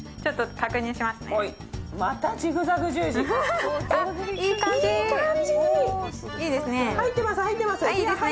確認しますね。